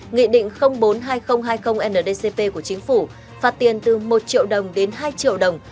nghị định bốn hai nghìn hai mươi ndcp của chính phủ phạt tiền từ một triệu đồng đến hai triệu đồng